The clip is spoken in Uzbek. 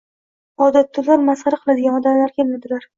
Odatda ular masxara qiladigan odamlar kelmadilar.